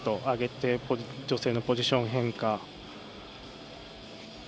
上げて、女性のポジション変化。